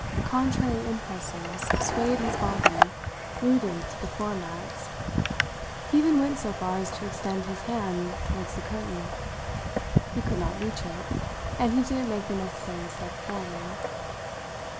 Contrary impulses swayed his body, rooted to the floor mats. He even went so far as to extend his hand towards the curtain. He could not reach it, and he didn't make the necessary step forward.